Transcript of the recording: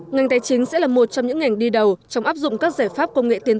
ngành tài chính sẽ là một trong những ngành đi đầu trong áp dụng các giải pháp công nghệ tiên tiến